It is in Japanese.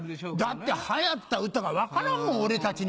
だって流行った歌が分からんもん俺たちには。